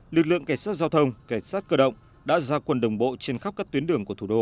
lực lượng cảnh sát giao thông cảnh sát cơ động đã ra quân đồng bộ trên khắp các tuyến đường của thủ đô